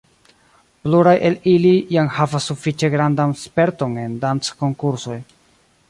Pluraj el ili jam havas sufiĉe grandan sperton en danckonkursoj.